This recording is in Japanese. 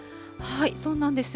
そうなんですよ。